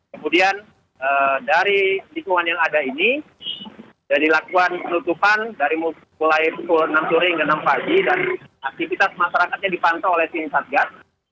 kemudian dari lingkungan yang ada ini sudah dilakukan penutupan dari mulai pukul enam sore hingga enam pagi dan aktivitas masyarakatnya dipantau oleh tim satgas